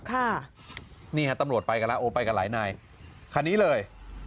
ค่ะนี่ฮะตำรวจไปกันแล้วโอ้ไปกันหลายนายคันนี้เลย